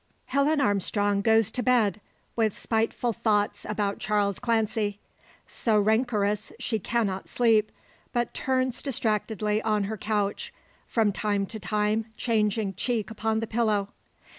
Helen Armstrong goes to bed, with spiteful thoughts about Charles Clancy. So rancorous she cannot sleep, but turns distractedly on her couch, from time to time changing cheek upon the pillow.